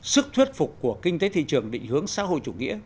sức thuyết phục của kinh tế thị trường định hướng xã hội chủ nghĩa